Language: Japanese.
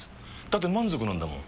だって満足なんだもん。